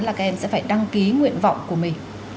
là các em sẽ phải đăng ký nguyện vọng của mình